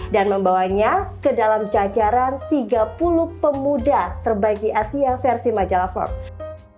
membawanya ke dalam jajaran tiga puluh pemuda terbaik di asia versi majalah forbes